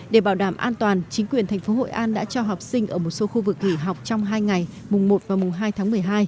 để bảo đảm an toàn chính quyền thành phố hội an đã cho học sinh ở một số khu vực nghỉ học trong hai ngày mùng một và mùng hai tháng một mươi hai